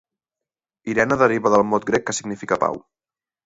Irene deriva del mot grec que significa pau.